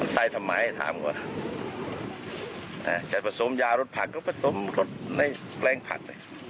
ใส่ทำไมถามเขาจะผสมยารถผักก็ผสมรถในแปลงผัก